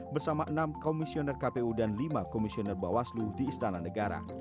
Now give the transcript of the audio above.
bersama enam komisioner kpu dan lima komisioner bawaslu di istana negara